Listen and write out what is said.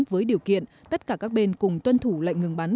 với điều kiện tất cả các bên cùng tuân thủ lệnh ngừng bắn